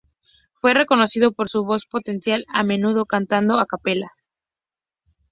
Fue reconocido por su voz potencial, a menudo cantando a capella.